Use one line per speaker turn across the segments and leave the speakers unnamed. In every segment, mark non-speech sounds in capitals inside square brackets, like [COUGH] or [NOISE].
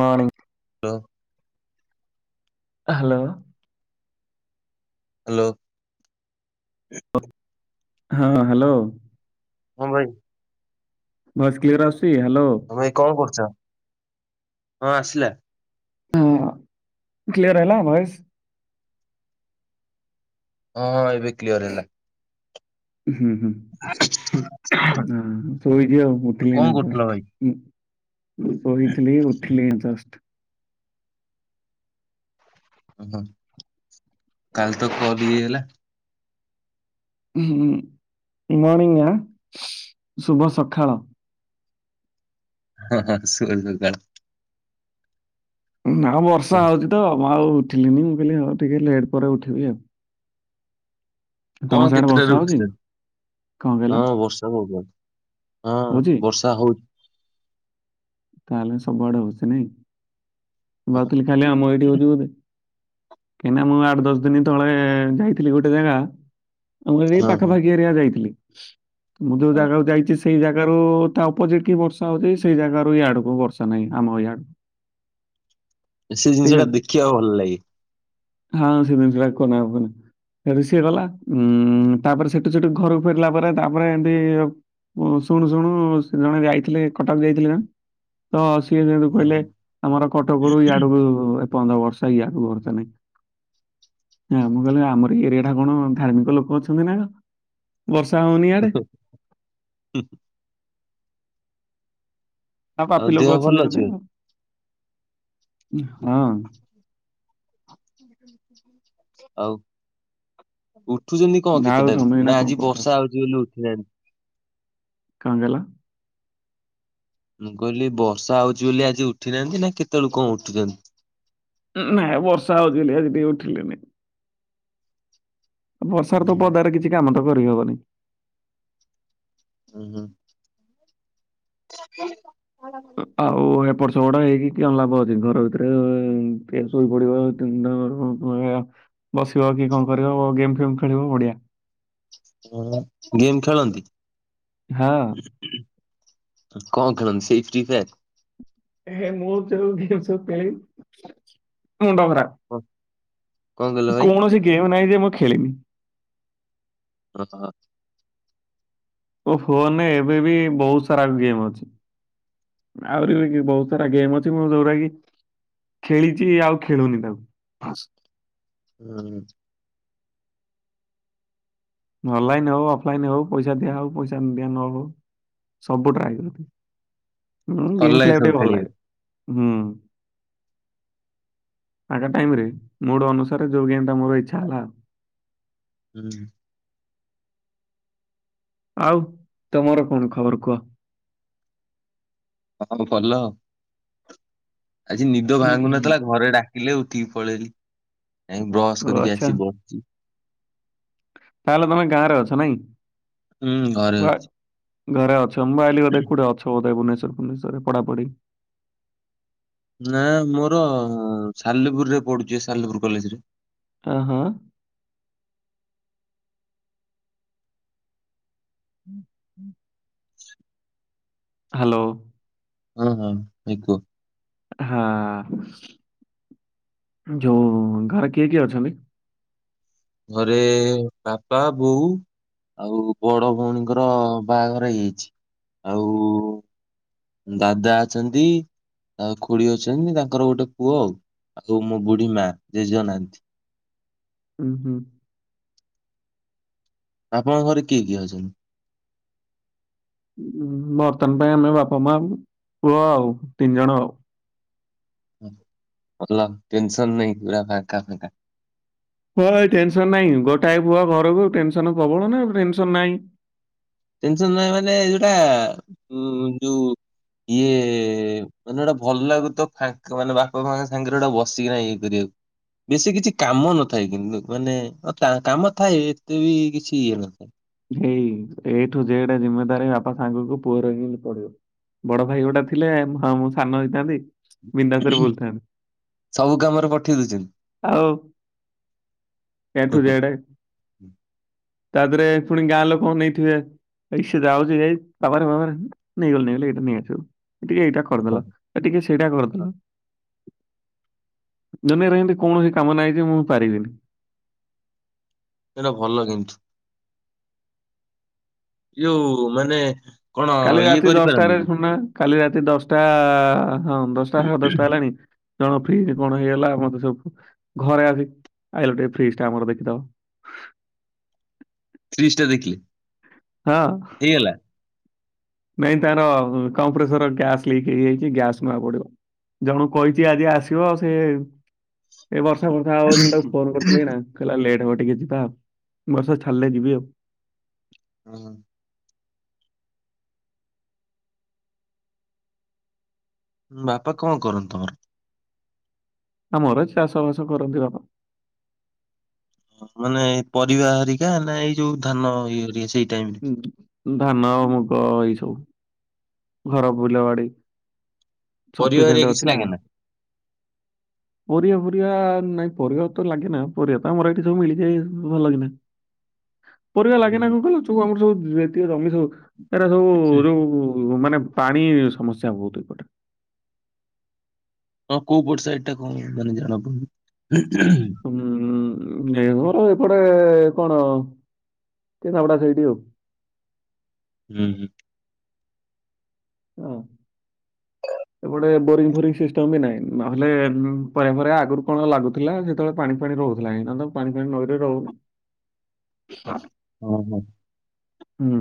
ମାନଂ
hello
hello
hello
ହଁ hello.
ହଁ ଭାଇ।
ଭଏସ କ୍ଲିଅର ଆ-
ହ ଭାଇ କଣକରୁଛ ହଁ ଆସିଲା
ହଁ କ୍ଲିୟର ହେଲା ଭଏସ
ହଁ ଏବେ କ୍ଲିୟର ହେଲା
ହୁଁ ହୁଁ ନା ଶୋଇଛି ଆଉ
କଣ
ଉଠିଲି
କରୁଥିଲ
ଜଷ୍ଟ
ଭାଇ?
ଶୋଇଥିଲି ଉଠିଲି ଜଷ୍ଟ
ଓ ହ କାଲି ତ କଲ ହେଇଗଲା
ହୁ ଗୁଡ ମଣିଗି ଆ ଶୁଭ ସକାଳ
ହଁ ହଁ ଶୁୁଭ ସକାଳ
ନାଆ ବର୍ଷା
ହଉ
ହଉଛି ତ ମୁଁ ଆଉ ଉଠିଲିନି ମୁଁ କହିଲି ହଉ ଟିକେ ଲେଟ୍ ପରେ ଉଠିବି ଆଉ ତମ
କଣ
ସିଆଡେ ବର୍ଷା
କେତେଟାରେ
ହଉଛି
ଉଠୁଛ
କଣ କହିଲ
ହଁ ବର୍ଷା ହଉ ହଁ
ହଉଛି?
ବର୍ଷା ହଉଛି
ତାହେଲେ ସବୁଆଡେ ହଉଛି ନାଇଁ
ହଁ
ଭାବଥିଲି ଖାଲି ଆମ ଏଇଠି ହଉଛି ବୋଧେ କାହିଁକିନା ମୁଁ ଆଠ ଦଶ ଦିନ ତଳେ ଯାଇଥିଲି ଗୋଟେ ଜାଗା ଆମ ଏଇ
ହଁ ହଁ
ପାଖାପାଖି ଏରିଆ ଯାଇଥିଲି ମୁଁ ଯୋଉ
ହଁ।
ଜାଗାକୁ ଯାଇଛି ସେଇ ଜାଗାରୁ ତା ଉପଜିଟ କି ବର୍ଷା ହଉଛି ସେଇ ଜାଗ ର ଇ ଆଡକୁ ବର୍ଷା ନହିଁ ଆମ ଇ ଆଡକୁ
ସେ ଜିନିଷ ଟା ଦେଖିବାକୁ ଭଲ ଲାଗେ
ହଁ ସେଦିନ ସେଥିଲା କନାପଣ ସେଠୁ ସିଏ ଗଲା ଉଁ ତାପରେ ସେଠୁ ସେଠୁ ଘରକୁ ଫେରିଲା ପରେ ତାପରେ ଏମିତି ଓ ଶୁଣୁ ଶୁଣୁ ଜଣେ ଯାଇଥିଲେ କଟକ ଯାଇଥିଲେ ଜଣ ତ ସିଏ ଯେମତି
ହଁ
କହିଲେ
ହଁ।
ଆମର କଟକରୁ ଇାଡକୁ ପନ୍ଦର ବର୍ଷ ଆକୁ ଭରଷା ନାହିଁ ହଁ ମୁଁ କହିଲି ଆମର ଏଇ ଏରିଆ ଟା କଣ ଧାର୍ମିକ ଲୋକ ଅଛନ୍ତି ନା କ ବର୍ଷା ହଉନି ଆଡେ ଆ
ଆଉ
ପାପି
ଦେହ
ଲୋକ
ଭଲ
ଅଛନ୍ତି
ଅଛି
ବୋଧେ
ଭାଇ
ଆଉ ହଁ
ହ ଆଉ ଉଠୁଛନ୍ତି କଣ
ଆଉ
କେତେଟାରେ
ତମେ ଏଇନା
ନା
କଣ
ଆଜି
କରୁଛ?
ବର୍ଷା ହଉଛି ବୋଲି ଉଠିନାହାନ୍ତି
କହିଲ
ମୁଁ କହିଲି ବର୍ଷା ହଉଛି ବୋଲି ଆଜି ଉଠି ନାହାନ୍ତି ନା କେତେବେଳୁ କଣ ଉଠୁଛନ୍ତି
ଁ ନାଇଁ ବର୍ଷା ଆଉଛି ଆଜି ଟ ଉଠିଲନି ବର୍ଷାର ତ ପଦାରେ କିଛି କାମ ତ କରିହବନି
ଓ ହୋ ହୁଁ
ଆଉ ଏପ ବଡ ହେଇକି କି ଲାଭ ଅଛି ଘର ଭିତରେ ସୋଇ ପଡିବି ବସିବ କି କଣ କରିବ ଓ ଗେମ୍ ଫେମ ଖେଳିବ ଓଢିଆ
ଗେମ୍ ଖେଳନ୍ତି
ହଁ
କଣ ଖେଳନ୍ତି ସେଇ ଫି ଫେ ଏର
ହେ ମୁଁବୁ ଗେ ସବୁଳି ମୁ ଡଙ୍ଗରା
କଣ କଣ କହିଲ ଭାଇ?
କୌଣସି ଗେମ୍ ନାହିଁ ଯେ ମୁଁ ଖେଳିନି
ହ
ଓ ଫୋନରେ ଏବେ ବି ବହୁତ ସାରା ଗେମ ଅଛି ଆହୁରି ବି ବହୁତ ସାରା ଗେମ ଅଛି ମୁଁ ଯୋଉରୋ କି ଖେଳିଛି ଆଉ ଖେଳୁନି ତାକୁ
ହୁଁ
ଅନଲାଇନ ହଉ ଅଫଲାଇନ ହଉ ପଇସା ଦିା ହଉ ପଇସା ନିଦଆ ନଉ ସବୁ ଟାଏ ଗେମ୍
ଭଲ ଲାଗେ
ଖେଳିବାକୁ
ସବୁ
ଟିକେ ଭଲ ଲାଗେ ହୁଁ। ଆଙ୍କା ଟାଇମରେ ମୁଡ଼ ଅନୁସାରେ ଯୋଗ ଗେମ୍ଟା ମୋର ଇଚ୍ଛା ହେଲା।
ହୁଁ।
ଆଉ ତମର କଣ ଖବର କୁହ?
ହଉ ଭଲ। ଆଜି ନିଦ ଭାଙ୍ଗୁ ନଥିଲା, ଘରେ ଡାକିଲେ ଉଠିକି ପଳେଇଲି ଜାଇଁକି ବ୍ରଶ
ଓ
କରିକି
ଆଚ୍ଛା
ଆସି ବସିଛି।
ତାହେଲେ ତମେ ଗାଁ ରେ ଅଛ ନାଇଁ?
ହୁଁ ଘରେ
ବା
ଅଛି।
ଘରେ ଅଛ! ମୁ ଭାବିଲି ବଧେ କୋଟେ ଅଛ ବୋଧେ ଭୁବନେଶ୍ୱର ଭୁବନେଶ୍ଵରରେ ପଢାପଢି
ନା ମୋର ସାଲେପୁରରେ ପଢୁଛି ସାଲେପୁର କଲେଜରେ।
ଅ ହଁ। [INAUDIBLE] ହ୍ୟାଲୋ!
ହଁ ହଁ ଭାଇ କୁଅ!
ହଁ ଯୋଉ ଘରେ କିଏ କିଏ ଅଛନ୍ତି?
ଘରେ ବାପା ବୋଉ ଆଉ ବଡ ଭଉଣୀଙ୍କର ବାହାଘର ହେଇଯାଇଛି। ଆଉ ଦାଦା ଅଛନ୍ତି। ଆ ଖୁଡି ଅଛନ୍ତି, ତାଙ୍କର ଗୋଟେ ପୁଅ ଆଉ, ଆଉ ମୋ ବୁଢୀ ମା ଜେଜେ ଅ ନାହାନ୍ତି।
ଉଁ ହୁଁ
ଆପଣଙ୍କ ଘରେ କିଏ କିଏ ଅଛନ୍ତି?
ଉଁ, ବର୍ତ୍ତମାନ ପାଇଁ ଆମେ ବାପା, ମା, ପୁଅ, ଆଉ ତିନି ଜଣ, ଆଉ
ଭଲ ଟେନସନ ନାହିଁ ପୁରା ଫାଙ୍କା ଫାଙ୍କା।
ହଁ ଭାଇ ଟେନସନ ନାହିଁ। ଗୋଟାଏ ପୁଅ ଘରକୁ ଟେନସନ ପ୍ରବଳ ନା ଟେନସନ ନାହିଁ।
ଟେନସନ୍ ନାହିଁ ମାନେ ଯୋଉଟା ଉ ଯୋଉ ଇଏ ମାନେ ଗୋଟେ ଭଲ ଲାଗୁ ଥିବ। ଫାଙ୍କ ମାନେ ବାପ ମା ସାଙ୍ଗରେ ଗୋଟେ ବସିକିନା ଇଏ କରିବାକୁ। ବେଶୀ କିଛି କାମ ନଥାଏ କିନ୍ତୁ, ମାନେ ଅ କାମ ଥାଏ ଏତେ ବି କିଛି ଇଏ ନଥାଏ।
ଏଇ ଏ ଠୁ ଜେଡ୍ ଜିମେଦାରି ବାପା ସାଙ୍ଗକୁ ପୁଅର ବି ପଡିବ। ବଡ ଭାଇ ଗୋଟେ ଥିଲେ, ହଁ ମୁଁ ସାନ ହେଇଥାନ୍ତି ବିନ୍ଦାସରେ ବୁଲୁଥାନ୍ତି।
ସବୁ କାମରେ ପଠେଇ ଦଉଛନ୍ତି।
ଆଉ ଏ ଠୁ ଜେଡ ତା ଦେହରେ ପୁଣି ଗାଁ ଲୋକ ଅନେଇଥିବେ ଆଇ ସେ ଯାଉଛି, ଯାଇ ବାବାରେ ବାବାରେ ନେଇଗଲୁ ନେଇଗଲୁ ଏଇଟା ନେଇଆସିବୁ। ଟିକେ ଏଇଟା କରିଦେଲ ଆ ଟିକେ ସେଇଟା କରିଦେଲ ଦୁନିଆରେ ଏମିତି କୌଣସି କାମ ନାହିଁ ଯେ ମୁଁ ପାରିବିନି
ଏଟା ଭଲ କିନ୍ତୁ ଯଉ ମାନେ କଣ
କାଲି
ଇଏ
ରାତି ଦଶଟାରେ
କରିପାରନ୍ତିନି
ସୁୁନା କାଲି ରାତି ଦଶଟା ହଁ ଦଶଟା ସାଢେ ଦଶଟା ହେଲାଣି ଜଣକ ଫ୍ରିଜ କଣ ହେଇଗଲା। ମତେ ସବୁ ଘରେ ଆସି ଆଇଲ ଟିକେ ଫ୍ରିଜ ଟା ଆମର ଦେଖିଦବ
ଫ୍ରିଜ୍ ଟା ଦେଖିଲେ?
ହଁ।
ହେଇଗଲା।
ନାଇଁ ତାର କମ୍ପ୍ରେସର ଗ୍ୟାସ୍ ଲିକ୍ ହେଇଯାଇଛି, ଗ୍ୟାସ୍ ନୂଆ ପଡିବ। ଜଣୁକୁ କହିଛି ଆଜି ଆସିବ ଆଉ ସେ ଏ ବର୍ଷ ବର୍ଷା ହଉଚି ମୁଁ ତାକୁ ଫୋନ କରିଥିଲି, ଏଇନା କଇଲା ଲେଟ୍ ହବ ଟି ଟିକେ ଯିବା ଆଉ ବର୍ଷା ଛାଡ଼ିଲେ ଯିବି ଆଉ।
ହଁ। ବାପା କଣ କରନ୍ତି ତମର?
ଆମର ଚାଷ ବାସ କରନ୍ତି ବାପା।
ମାନେ ପରିବା ହରିକା, ନା ଏଇ ଯୋଉ ଧାନ ଇଏ ହରିକା ସେଇ ଟାଇମ୍ ରେ?
ଉ ଦୁ ଧାନ ମୁଗ ଏଇ ସବୁ ଘର ବୁଲବାଡି।
ପରିବା
ଚବିଶ
ହରିକା
ଘଣ୍ଟା
କିଛି
ଅଛି ନା
ଲାଗେନା।
ପୁରି ପୁରା ନାଇଁ ପରିବା ତ ଲାଗେ ନା ପରିବା ତ ଆମର ଏଇଠି ଯଉ ମିଳିଯାଏ ଭଲ କିନା ପରିବା ଲାଗେ ନା
ହୁଁ
କଣ କହିଲ ଯୋଉ ଆମର ସବୁ ଜମି ସବୁ ଏଟା ସବୁ ଯୋଉ ମାନେ ପାଣି ସମସ୍ୟା ବହୁତ ଏଇପଟେ
ହଁ କୋଉପଟ ସାଇଟ ଟା କଣ ମାନେ ଜଣାପଡ଼ୁନି
ଘର ଏପଟେ କଣ ପିଣ୍ଡବଡ଼ା ସେଇଡ଼ି ଆଉ
ହୁଁ ହୁଁ
ହ
ହଁ
ଏପଟେ ବୋରିଙ୍ଗ ଫୋରିଙ୍ଗ ସିଷ୍ଟମ ବି ନାହିଁ ନହେଲେ ପରେ ପରେ ଆଗରୁ କଣ ଲାଗୁଥିଲା ସେତେବେଳେ ପାଣି ପାଣି ରହୁଥିଲାଁ ପାଣି ଫାଣି ନଇରେ ରହୁନି
ହ ହୋ
ହୁଁ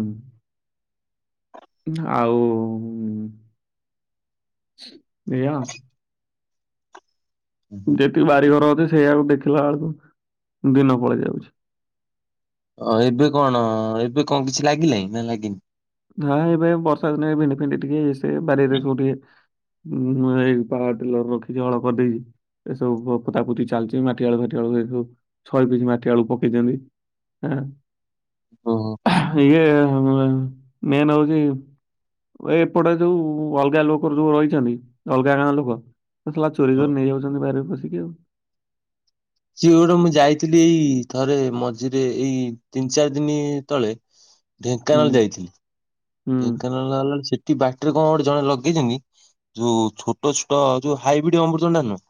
ଆଉ ଏଆ ଯେତିକି ବାରିଘର ଅଛି ସେଇଆକୁ ଦେଖିଲା ବେଳକୁ ଦିନ ପଳେଇ ଯାଉଛି
ଅ ଏବେ କଣ ଏବେ କଣ କିଛି ଲାଗିଲାଣିି ନା ଲାଗିନି
ନାହି ଏବେ ଆଉ ବର୍ଷା ଦିନେ ଭେଣ୍ଡି ଫେଣ୍ଡି ଟିକେ ଇଏ ସିଏ ବାରିରେ ସବୁ ଟିକେ ମୁଁ ଏଇ ପାୱାର ଟିଲର ରଖିଛି ହଳ କରିଦେଇଛି ଏସବୁ ପୋତାପୋତି ଚାଲିଚି ମାଟିଆଳୁ ଫାଟି ଆଳୁ ବେଳୁ ଏ ସବୁ ଛ ପିଚ ମାଟିଆଳୁ ପକେଇଛନ୍ତି
ଓହୋ
ହଁ ଇଏ ମେନ୍ ହଉଛି ଏ ଏପଟେ ଯୋଉ ଅଲଗା ଲୋକର ଯୋଉ ରହିଛନ୍ତି ଅଲଗା ଗାଁ ଲୋକ ଲା ଚୋରି
ହଁ।
କରି ନେଇଯାଉଛନ୍ତି ବାରିରେ ପସିକି ଆଉ
ସିଏ ଗୋଟେ ମୁଁ ଯାଇଥିଲି ଏଇ ଥରେ ମଝିରେ ଏଇ ତିନି ଚାରି ଦିନି ତଳେ
ହୁଁ
ଢେଙ୍କାନାଳ ଯାଇଥିଲି
ହୁଁ
ଢେଙ୍କାନାଳ ନଲା ସେଠି ବାଟରରେ କଣ ଗୋଟେ ଜଣେ ଲଗେଇଛନ୍ତି ଯୋଉ ଛୋଟ ଛୋଟ ଯୋଉ ହାଇବ୍ରିଡ଼ି ଅମୃତଭଣ୍ଡା ନୁହ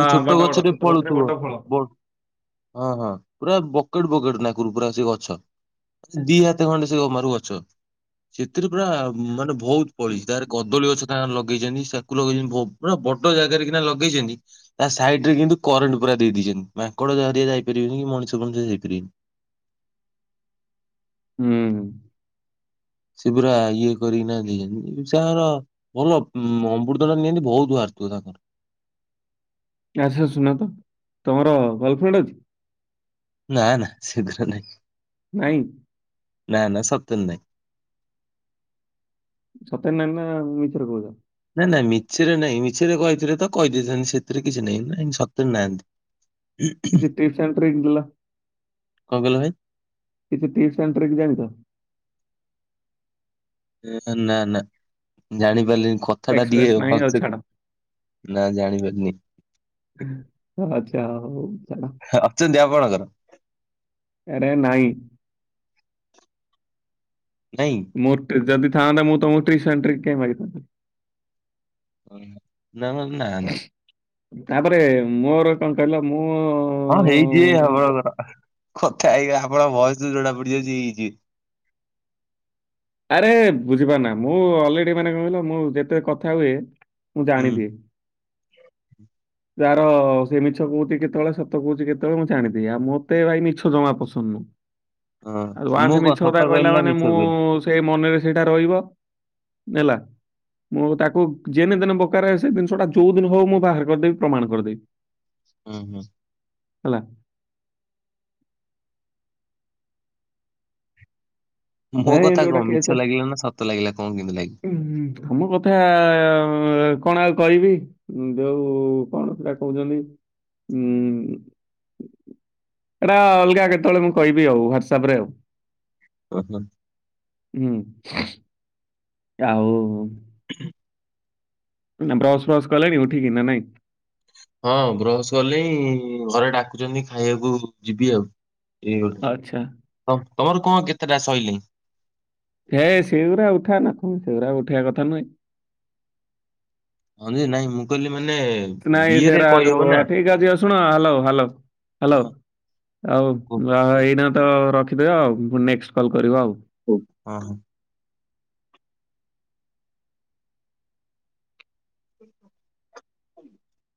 ଯୋଉ ଛୋଟ
ବଡ ବଡ
ଗଛରେ
ଛୋଟ
ଫଳୁଥିବ
ବଡ ଫଳ
ବ ହଁ ହଁ ପୁରା ବକେଟ ବକେଟ ନା କର ପୁରା ସେ ଗଛ ଦି ହାତ ଖଣ୍ଡେ ସେ ଜମାରୁ ଗଛ ସେଥିରେ ପୁରା ମାନେ ବହୁତ ଫଳିଛି ତାର କଦଳୀ ଗଛ କା ଲଗେଇଛନ୍ତି ସାକୁ ଲଗେଇଛନ୍ତି ପୁରା ବଡ ଜାଗାରେ କି ଲଗେଇ ଚନ୍ତି ତା ସାଇଡ ରେ କିନ୍ତୁ କରେଣ୍ଟ ପୁରା ଦେଇେ ଦେଇଛନ୍ତି ମାଙ୍କଡରିଆ ଯାଇପାରିବେନି କି ମଣିଷ ମଧ୍ଯ ଯାଇପାରିବେନି
ହୁଁ
ସେ ପୁରା ଇଏ କରିକିନା ଦେଇଚନ୍ତି ତାଙ୍କର ଭଲ ଅମୃତ ଭଣ୍ଡା ନିହାତି ବହୁତ ବାହାରି ଵ ତାଙ୍କର
ଆଛ ଶୁନ ତ ତମର ଗାର୍ଲଫ୍ରେଣ୍ଡ ଅଛି
ନା ନା ସେଗୁଡା ନାହିଁ
ନାଇଁ
ନା ନା ସତରେ ନାହିଁ
ସତରେ ନଇ ନା ମିଛରେ କହୁଛ
ନା ନା ମିଛରେ ନାହିଁ ମିଛରେ କହିଥିଲେ ତ କହିଦେଇଥାନ୍ତି ସେଥିରେ କିଛି ନାହିଁ ସତରେ ନାହାନ୍ତି
କିଛି ଟିପ୍ ସେଣ୍ଟର ହେଇିଥିଲା
କଣ କଇଲ ଭାଇ
କିଛି ଟିପ୍ସ ସେଣ୍ଟର କି ଜାଣିଚ
ନା ନା ଜାଣିପାରିଲିନି କଥା ଟା
ଏକ୍ସପିରିଏନ୍ସ
ଟିକେ
ନାହିଁ
ଭଲ
ଆଉ
ସେ
ଛାଡ
ନା ଜାଣିପାରିନି
ଆଛା ହଉ ଚାଲ
ଅଛନ୍ତି ଆପଣଙ୍କର
ଆରେ ନାଇଁ
ନାଇଁ
ମୋର ଟ୍ରିକ୍ ଯଦି ଥାଆନ୍ତା ମୁଁ ତମକୁ ଟ୍ରିକ୍ସ୍ ଆଣ୍ଡ୍ ଟ୍ରିକ୍ସ୍ କାହିଁ ମାଗିଥାନ୍ତି।
ନା ଆମର ନାହାନ୍ତି।
ତାପରେ ମୋର କଣ କହିଲ ମୁଁ?
ହଁ ହେଇଛି
ଜ-
ଆପଣଙ୍କର କଥା ହେଇ ଆପଣ ଭୟେସ୍ ଜଣା ପଡି ଯାଇଛି ହେଇଛି
ଆରେ ବୁଝିପାରୁନା ମୁଁ ଅଲରେଡି ମାନେ କହିଲ ମୁଁ ଯେତଳେ କଥା ହୁଏ। ମୁଁ ଜାଣିଦିଏ।
ହ [INAUDIBLE]
ଯାର ସେ ମିଛ କହୁଛି କେତଳେ ସତ କହୁଛି କେତଳେ ମୁଁ ଜାଣିଦିଏ ଆଉ ମତେ ଭାଇ ମିଛ ଜମା ପସନ୍ଦ
[UNINTELLIGIBLE] ହଁ
ଆଉୁ
ମୁଁ
ସେ
କଣ
ମିଛ
ସତ
କଥା
କହିଲି
କହିଲା
ନା
ମାନେ
ମିଛ
ମୁଁ
କହିଲି?
ସେ ମନରେ ସେଇଟା ରହିବ ନେଲା ମୁଁ ତାକୁ ଯେନେ ଦେନେ ବକାରେ ସେ ଜିନିଷ ଟା ଯୋଉ ଦିନ ହଉ ମୁଁ ବାହାର କରିଦେବି ପ୍ରମାଣ କରିଦେବି।
ହଁ ହୁଁ।
ହେଲା।
ମୋ
ନାହିଁ
କଥା
ଏମିତି ଗୋଟେ
କଣ ମିଛ
କେସ୍
ଲାଗିଲା ନା ସତ ଲାଗିଲା କଣ କେମିତି
ହୁଁ ତମ କଥା ଅଁ କଣ ଆଉ କହିବି ଯଉ କଣ ସେଟା କହୁଛନ୍ତି? ହୁଁ। ଏଟା ଅଲଗା କେତେବେଳେ ମୁଁ କହିବି ଆଉ ହ୍ଵାଟସପ୍ ରେ ଆଉ।
ଲାଗିଲା?
ହୁଁ ଆଉ।
ହୁଁ [INAUDIBLE]
ନା ବ୍ରସ୍ ଫ୍ରସ୍ କଲେଣି ଉଠିକି ନା ନାଇଁ?
ହଁ ବ୍ରସ୍ କଲି ଘରେ ଡାକୁଛନ୍ତି ଖାଇବାକୁ ଯିବି ଆଉ। ଏ ଗୋଟେ
ଆଚ୍ଛା
ତମର କଣ କେତେଟା ସରିଲେଇଁ।
ହେ ସେଉରା ଉଠା ନା କଣ ସେଉରା ଉଠେଇିବା କଥା ନୁହେଁ।
ହଁ ଯେ ନାଇଁ ମୁ କହିଲି। ମାନେ
ନାଇଁ
ବିଏରେ
ସେରା
କହିହବ ନା।
ଯୋଉ ଠିକ୍ ଅଛି ହଉ ଶୁଣ ହାଲୋ ହାଲୋ ହାଲୋ।
ହଁ
ଆଉ
କୁହ।
ଆଉ ଏଇନା ତ ରଖିଦେବା ଆଉ ପୁଣି ନେକ୍ସ୍ଟ କଲ କରିବା ଆଉ।
ହଉ ହଁ ହଁ। ହ [INAUDIBLE]